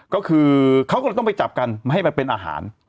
ก็คือเขาก็เลยต้องไปจับกันให้มันเป็นอาหาร